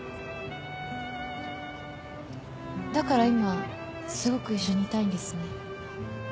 だから今すごく一緒にいたいんですね。